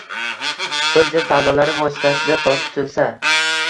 birja savdolari vositasida sotilsa